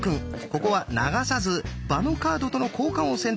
ここは流さず場のカードとの交換を選択。